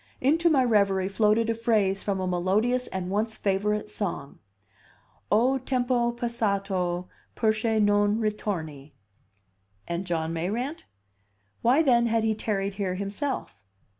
Into my revery floated a phrase from a melodious and once favorite song: O tempo passato perche non ritorni? And John Mayrant? Why, then, had he tarried here himself?